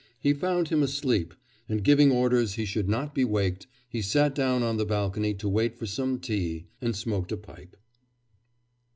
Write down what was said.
He found him asleep, and giving orders he should not be waked, he sat down on the balcony to wait for some tea and smoked a pipe.